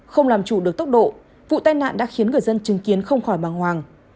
không làm chủ được tốc độ vụ tai nạn đã khiến người dân chứng kiến không khỏi bằng hoàng